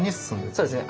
そうですね